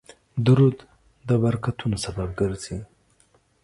درود د برکتونو سبب ګرځي